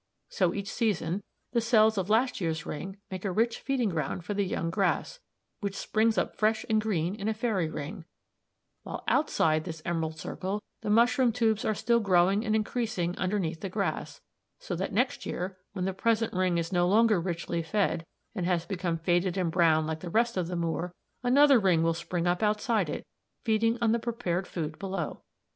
So each season the cells of last year's ring make a rich feeding ground for the young grass, which springs up fresh and green in a fairy ring, while outside this emerald circle the mushroom tubes are still growing and increasing underneath the grass, so that next year, when the present ring is no longer richly fed, and has become faded and brown like the rest of the moor, another ring will spring up outside it, feeding on the prepared food below."